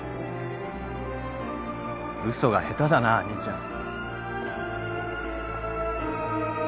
嘘が下手だな兄ちゃん。